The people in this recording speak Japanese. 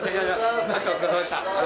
お疲れさまでした。